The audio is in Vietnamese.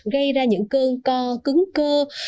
gây ra những cơn co cứng cơ